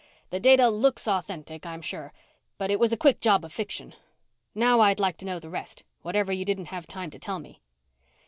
The data looks authentic, I'm sure, but it was a quick job of fiction. Now I'd like to know the rest whatever you didn't have time to tell me."